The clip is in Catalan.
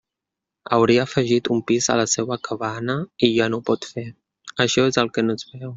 Hauria afegit un pis a la seua cabana i ja no ho pot fer, això és el que no es veu.